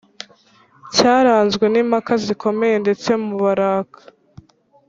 cyaranzwe n’impaka zikomeye ndetse mubaraka